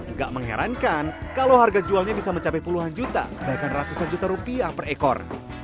nggak mengherankan kalau harga jualnya bisa mencapai puluhan juta bahkan ratusan juta rupiah per ekor